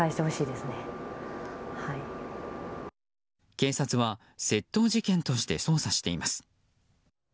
警察は窃盗事件として捜査しています。